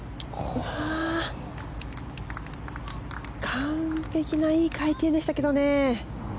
完璧ないい回転でしたけどね。